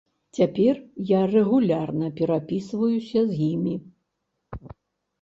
Цяпер я рэгулярна перапісваюся з імі.